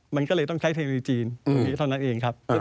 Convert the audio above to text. มันก็เลยต้องใช้เทคโนโลยีจีนตรงนี้เท่านั้นเองครับ